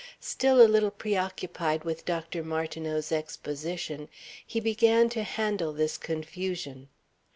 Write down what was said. Still a little preoccupied with Dr. Martineau's exposition, he began to handle this confusion....